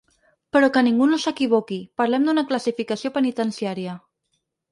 Però que ningú no s’equivoqui: parlem d’una classificació penitenciària.